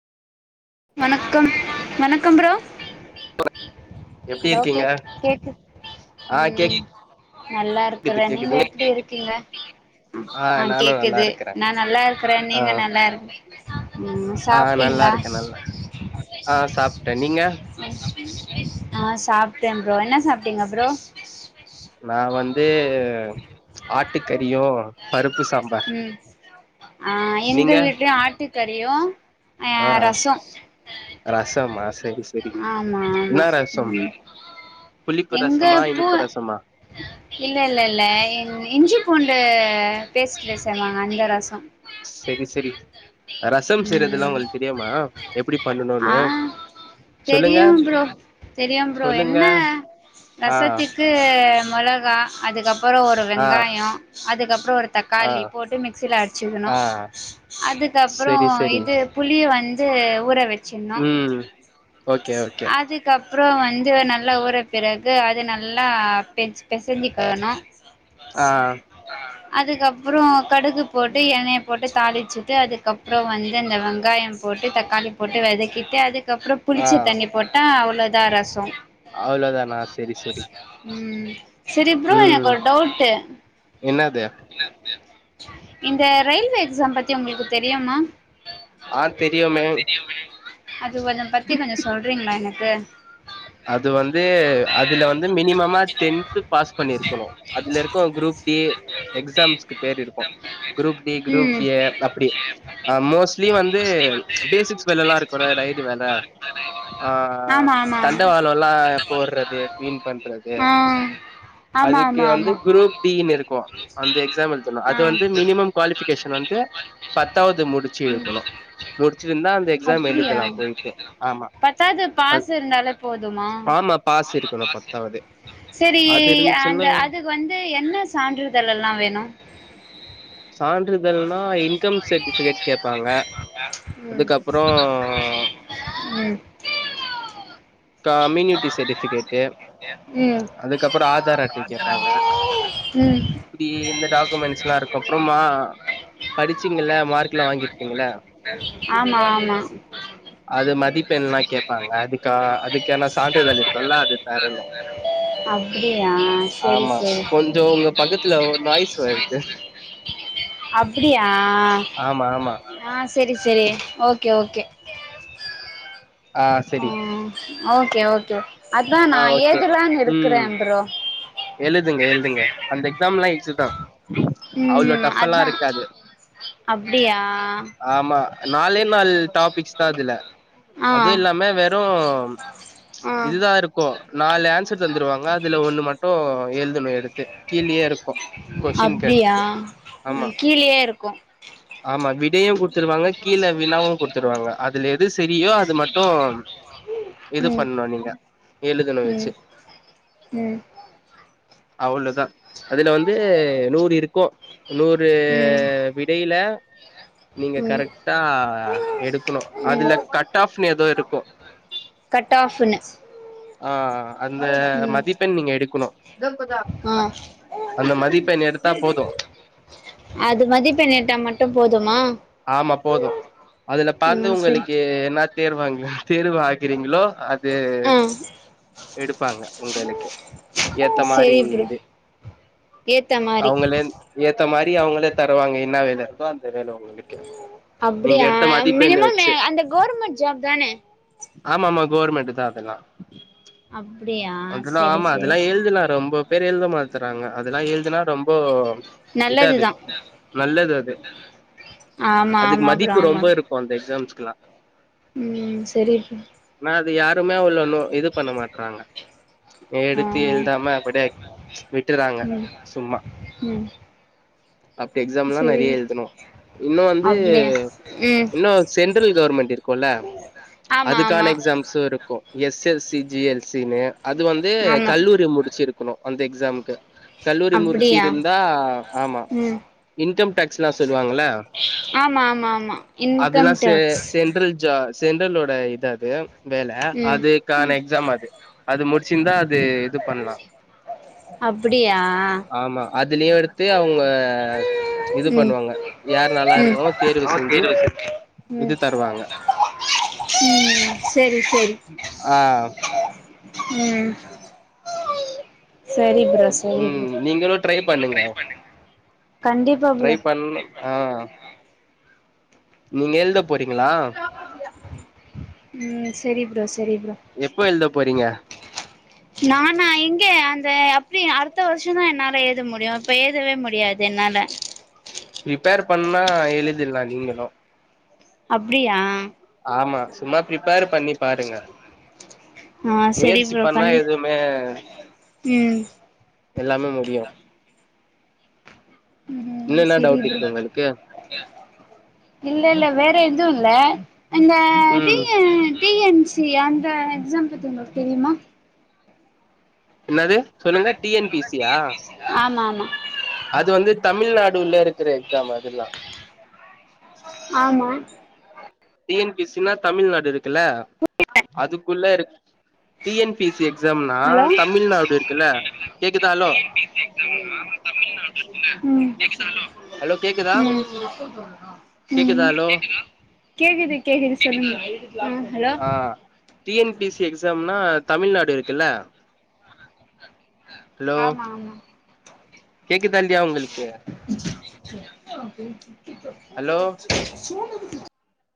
வணக்கம் வணக்கம் ப்ரோ எப்டி ஹலோ, இருக்கீங்க கேக் கேக்கு ஆ ம் நல்லா கேக்குது இருக்குற நீங்க கேக்குது எப்டி இருக்கீங்க ம் ஆ நானு நல்லா கேக்குது இருக்கறே நா நல்லா இருக்கற ஆ நீங்க நல்லா இரு ம் ஆ நல்லா சாப்டீங்ளா இருக்கே நல்லா ஆ சாப்ட்டே நீங்க ஆ சாப்டே ப்ரோ, என்ன சாப்ட்டீங்க ப்ரோ நா வந்து ஆட்டுக்கறியு பருப்பு சாம்பார் ம், ஆ எங்க நீங்க வீட்லயு ஆட்டுக்கறியு ஆ ரசோ ரசமா செரி செரி ஆமா ஆமா என்னா ரசம் ம் புளிப்பு எங்க ரசமா பூ இனிப்பு ரசமா இல்ல இல்ல இல்ல இஞ்சி பூண்டு பேஸ்ட்ல செயவாங்க அந்த ரசம் செரி செரி ரசம் செய்றதுல்லா ம் உங்களுக்கு தெரியுமா எப்டி பண்ணணுனு தெரியு ப்ரோ தெரியும் ப்ரோ சொல்லுங்க என்ன ஆ ரசத்துக்கு க்கு மொளகா அதுக்கப்பறோ ஒரு ஆ வெங்காயோ அதுக்கப்பறோ ஒரு ஆ தக்காளி போட்டு மிக்சில அடிச்சிக்கணு ஆ அதுக்கப்பறொ சரி சரி இது புளிய வந்து ஊற வச்சிர்னு ம் ஓகே ஓகே அது கப்றொ வந்து நல்லா ஊற வெக்கிறக்கு அது நல்லா செட் பெசஞ்சிக்கணு ஆ அதுக்கப்றொ கடுகு போட்டு எண்ணய போட்டு தாளிச்சிட்டு அதுக்கப்றொ வந்து இந்த வெங்காயம் போட்டு தக்காளி போட்டு வதக்கிட்டு அதுக்கப்றொ புளிச்ச ஆ தண்ணி போட்டா அவ்ளோதா ரசொ அவ்ளோதானா செரி செரி ம் சரி ப்ரோ எனக்கு ஒரு டவுட் என்னாது இந்த ரயில்வே எக்ஸாம் பத்தி ஒங்களுக்கு தெரியுமா ஆ தெரியுமே அது பத்தி கொஞ்ச சொல்றீங்ளா எனக்கு அது வந்து அதுல வந்து மினிமமா டென்த்பாஸ் பண்ணிருக்கணு அதுல ருக்கு குரூப் கீ எக்ஸாம்ஸ்கு பேர் இருக்கு குரூப் டி குரூப் ம் ஏ அப்டி அ மோஸ்ட்லி வந்து பேசிக்ஸ் வேலல்லா இருக்குல ரைடு வேல ஆ ஆமா ஆமா தண்டவாளல்லா போட்றது க்ளீன் பண்றது ஆ ஆமா அதுக்கு ஆமா வந்து ஆமா குரூப் பி னுருக் கு அந்த எக்ஸாம் எழுதனு அது ஆ வந்து மினிமம் குவாலிபிகேஷன் வந்து பத்தாவது முடிச்சுருக்கணு முடிச்சிருந்தா அந்த எக்ஸாம் எழுதலா போய்ட்டு ஆமா பத்தாது அ பாஸ் இருந்தாலெ போதுமா ஆமா பாஸ் இருக்கணு பத்தாவது செரி அது அந்த இருந்துச்சுன்னா அது அதுக்கு வந்து என்ன சான்றிதழல்லா வேணு சான்றிதழ்னா இன்கம் சர்டிபிகேட் கேப்பாங்க ம் அதுக்கப்புறோ உம் கமினியூட்டி சட்டிஃபிகேட்டு ம் கேப்பாங்க ம் இப்டி இந்த டாக்குமெண்ட்ஸ் எல்லா இருக்கு அப்றமா படிச்சீங்கள்ள மார்க் கெல்லா வாங்கிருப்பீங்கள்ள ஆமா ஆமா அது மதிப்பெண்லா கேப்பாங்க அதுக்கா அதுக்கான சான்றிதழ் இருக்குல்ல அது தரணு அப்டியா செரி ஆமா செரி கொஞ் இதோ உங்க பக்கத்துல ஒரு நாய்ஸ் வருது அப்பிடியா ஆமா ஆமா ஆ செரி செரி ஓகே ஓகே ஆ செரி ம் ஓகே ஓகே அதா ஆ நா ஓகே ஏதலானு இருக்குற ம் ப்ரோ எழுதுங்க எழுதுங்க அந்த எக்ஸாம் லா இஸிதா அவ்ளோ ம் டஃப் ஃபாலா அதா இருக்காது அப்டியா ஆமா நாலே நால் டாபிக்ஸ் தா இதுல ஆ அது இல்லாம வெறு ஆ இதுதா இருக்கு நாலு ஆன்சர் தந்துருவாங்க அதுல ஒண்ணு மட்டு எழுதணு எடுத் த்து கீழயே ருக்கு கொஸ்டீன் அப்டியா கேட்டு ஆமா ம் கீழயே இருக்கு ஆமா விடையு குடு குடுத்துருவாங்க கீழ வினாவு குடுத்துருவாங்க அதுல எது செரியோ அது மட்டு இது ம் பண்ணு நீங்க எழுதணு வெச்சு ம் ம் அவ்ளுதா அதுல வந்து நூறு இருக்கு நூறு ம் விடையில நீங்க ம் கரெக்டா எடுக்கணு ம் அதுல கட் ஆஃப்ன்னு ஏதோ இருக்கு கட் ஆஃப்ன்னு ஆ அந்த ம் மதிப்பெண் நீங்க எடுக்குணு ஆ அந்த மதிப்பெண் எடுத்தா போது அது மதிப்பெண் எடுத்தா மட்டு போதுமா ஆமா போது அதுல பாத்து ம் சரி உங்களுக்கு என்ன தேர்வாங்க தேர்வாகிறிங்ளோ அது ஆ எடுப்பாங்க உங்களுக்கு ஏத்த மாரி சரி ப்ரோ இது ஏத்த மாரி அவுங்களே ஏத்த மாரி அவுங்களே தருவாங்க என்ன வேல இருக்கோ அந்த வேல உங்களுக்கு நீங்க அப்டியா எடுத்த மதிப்பெண்ணு மினிமம் வச்சு அந்த கவுர்மெண்ட் ஜாப் தானே ஆமா ஆமா கவுர்மெண்ட்தா அதெலா அப்டியா அதுலா சரி ஆமா சரி ச எழுதுன ரொம்போ பேர் எழுத மாத்துறாங்க அதெலா எழுதுனா ரொம்ப இத அது நல்லதுதா நல்லது அது ஆமா அதுக்கு ஆமா ப்ரோ மதிப்பு ஆமா ரொம்ப இருக்கு அந்த எக்ஸாம்ஸ்க்லா ம் சரி ப்ரோ ஆனா அது யாருமே அவ்ள நோ இது பண்ண மாட்றாங்க ஆ எடுத்து ஆ எழுதாம அப்டியே விட்டுறாங்க ம் சும்மா ம் அப்ப எக்ஸாம்லா சரி நெறைய ப்ரோ எழுதனு இன்னு வந்து அப்டியா ம் இன்னு சென்ட்ரல் கவர்மெண்ட் இருக்குல்ல ஆமா ஆமா அதுக்கான எக்ஸாம்ஸு இருக்கு S L C G L C னு அது வந்து ஆமா கல்லூரி முடிச்சு இருக் கணு அந்த எக்ஸாம்க்கு கல்லூரி முடிச்சி அப்டியா இருந்தா ஆமா ம் இன்கம் டேக்ஸ்லா சொல்வாங்கல ஆமா ஆமா ஆமா இன்கம் அதெல்லா செ டேக்ஸ் சென்ட்ரல் ஜா சென்ட்ரலோட இது அது வேல ம் அதுக்கான எக்ஸாம் அது அது முடிச்சிருந்தா அது இது பண்லா அப்டியா அதுலியு எடுத்து அவுங்க இது ம் பண்ணுவாங்க யார் நல்லா ம் இருக்காங்களோ தேர்வு செஞ்சு இது ம் தருவாங்க ம் செரி செரி ஆ ம் செரி ப்ரோ செரி ப்ரோ ம் நீங்களு ட்ரை பண்ணுங்க கண்டிப் ட்ரை பண்ணு ஆ நீங்க எழுத போறிங்களா ம் செரி ப்ரோ செரி ப்ரோ எப்ப எழுத போறிங்க நானா எங்கே அந்த அப்டி அடுத்த வருஷந்தா என்னால எழுத முடியு இப்ப எழுதவே முடியாது என்னால ப்ரிப்பேர் பண்ணா எழுதிர்லா நீங்களு அப்டியா ஆமா சும்மா ப்ரிப்பேர் பண்ணி பாருங்க ஆ சரி முயற்சி ப்ரோ பண்ணா கண்டி எதுமே ம் எல்லாமே முடியு ம் இதுல்ல என்ன சரி டவுட் ப்ரோ இருக்கு உங்களுக்கு இல்ல இல்ல வேற எதுவும் இல்ல இந்த ம் டிய டி என் சி அந்த எக்ஸாம்பத்தி உங்களுக்கு தெரியுமா என்னாது சொல்லுங்க டி என்‌ பி சியா ஆமா ஆமா அது வந்து தமிழ்நாடுல்ல இருக்கிற எக்ஸாம் அதுல்லாம் ஆமா டி என் பி சினா தமிழ்நாடு இருக்குல்ல அதுக்குள்ள இரு டி என் பி சி எக்ஸாம்னா ஹலோ தமிழ்நாடு இருக்குல்ல கேக்குதா ஹலோ ம் ம் ம் ஹலோ கேக்குதா கேக்குதா ஹலோ கேக்குது கேக்குது சொல்லுங்க ஆ ஹலோ ஆ டி என் பி சி எக்ஸாம்னா தமிழ்நாடு இருக்குல்ல ஹலோ ஆமா ஆமா கேக்குதா இல்லையா உங்களுக்கு [unintelligible] ஹலோ [unintelligible]